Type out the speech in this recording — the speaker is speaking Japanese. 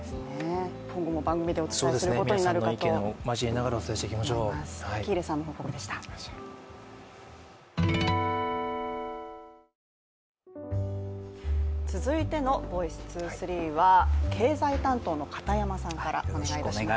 今後も番組でお伝えすることになると思います続いての「ｖｏｉｃｅ２３」は経済担当の片山さんからお願いします。